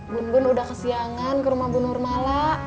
bun bun udah ke siangan ke rumah bu nurmala